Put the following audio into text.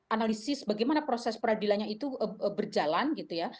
analisis bagaimana proses peradilannya itu berjalan gitu ya